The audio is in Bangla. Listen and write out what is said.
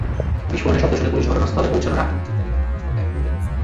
বিস্ফোরণের শব্দ শুনে পুলিশ ঘটনাস্থলে পৌঁছানোর আগেই মিছিলকারীরা ঘটনাস্থল ত্যাগ করে।